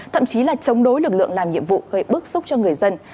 thậm chí là chống đối lực lượng làm nhiệm vụ gây bức xúc cho người dân